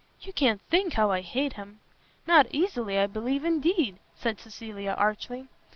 You can't think how I hate him!" "Not easily, I believe indeed!" said Cecilia, archly.